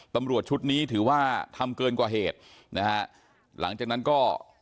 ตำรวจชุดนี้ถือว่าทำเกินกว่าเหตุนะฮะหลังจากนั้นก็